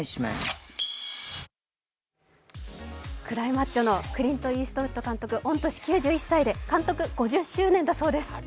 「クライ・マッチョ」のクリント・イーストウッド監督、御年９１歳で監督５０周年だそうです。